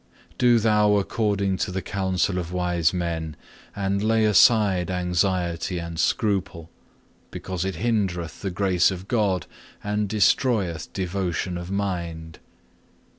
Do thou according to the counsel of wise men, and lay aside anxiety and scruple, because it hindereth the grace of God and destroyeth devotion of mind.